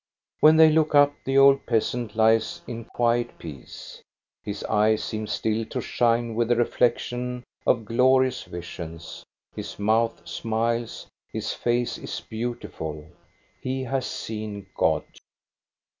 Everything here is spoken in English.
When they look up the old peasant lies in quiet peace. His eyes seem still to shine with the reflec tion of glorious visions, his mouth smiles, his face is beautiful. He has seen God.